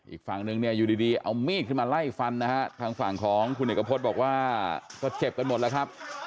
อีกฝั่งนึงเนี่ยอยู่ดีเอามีดขึ้นมาไล่ฟันนะฮะทางฝั่งของคุณเอกพฤษบอกว่าก็เจ็บกันหมดแล้วครับ